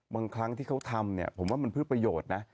บางครั้งที่เขาทำผมว่ามันมีความผลประโยชน์